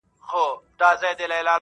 علت یې د شاعرانو نه مطالعه